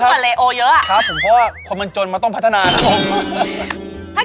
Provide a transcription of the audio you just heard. ครับผมเพราะว่าคนมันจนมาต้องพัฒนานะครับ